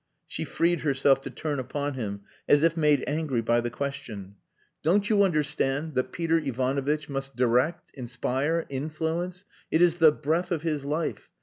She freed herself to turn upon him, as if made angry by the question. "Don't you understand that Peter Ivanovitch must direct, inspire, influence? It is the breath of his life.